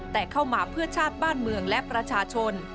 แต่เข้ามาเพื่อชาติบ้านเมืองและประชาชน